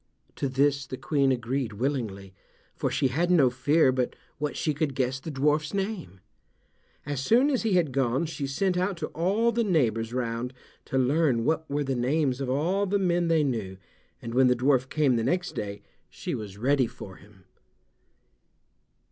To this the Queen agreed willingly, for she had no fear but what she could guess the dwarf's name. As soon as he had gone she sent out to all the neighbors round to learn what were the names of all the men they knew, and when the dwarf came the next day she was ready for him.